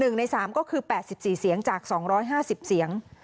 ใน๓ก็คือ๘๔เสียงจาก๒๕๐เสียง